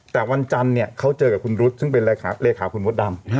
แต่วันจันทร์เนี่ยเขาเจอกับคุณรุษซึ่งเป็นเลขาคุณมดดำ